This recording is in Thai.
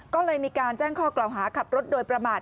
ก็เลยมีการแจ้งข้อกล่าวหาขับรถโดยประมาท